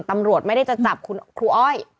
ตำรวจไม่ได้จะจับคุณครูอ้อย